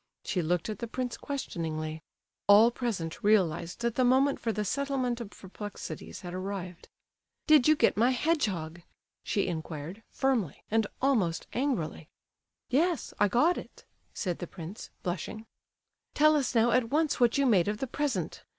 She looked at the prince questioningly. All present realized that the moment for the settlement of perplexities had arrived. "Did you get my hedgehog?" she inquired, firmly and almost angrily. "Yes, I got it," said the prince, blushing. "Tell us now, at once, what you made of the present?